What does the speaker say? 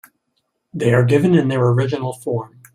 They are given in their original form.